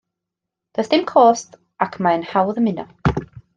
Does dim cost, ac mae'n hawdd ymuno